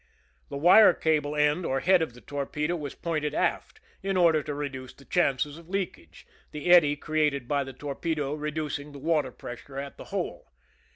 The wire cable end or head of the torpedo was pointed aft, in order to reduce the chances of leakage, the eddy created by the torpedo reducing the water pressure at the hole.